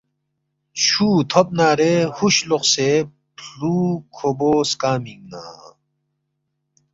چُھو تھوبنارے ہُوش لوقسے فلُو کھوبو سکامینگنہ